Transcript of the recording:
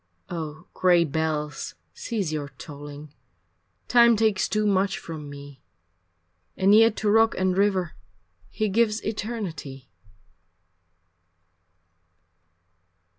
Oh, gray bells cease your tolling, Time takes too much from me, And yet to rock and river He gives eternity.